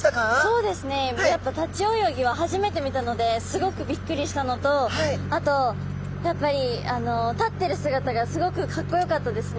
そうですねやっぱ立ち泳ぎは初めて見たのですごくびっくりしたのとあとやっぱり立ってる姿がすごくかっこよかったですね。